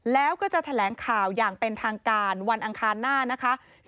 แล้วก็จะแถลงข่าวอย่างเป็นทางการวันอังคารหน้านะคะ